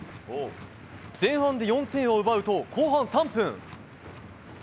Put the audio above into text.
前半で４点を奪うと後半３分。